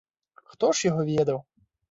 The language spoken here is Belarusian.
Хто ж яго ведае.